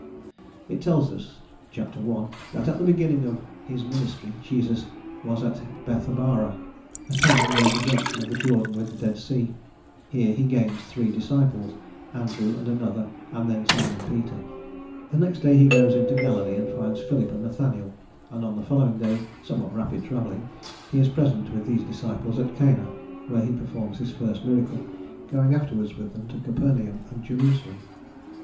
It tells us (ch. i) that at the beginning of his ministry Jesus was at Bethabara, a town near the junction of the Jordan with the Dead Sea; here he gains three disciples, Andrew and another, and then Simon Peter: the next day he goes into Galilee and finds Philip and Nathanael, and on the following day somewhat rapid travelling he is present, with these disciples, at Cana, where he performs his first miracle, going afterwards with them to Capernaum and Jerusalem.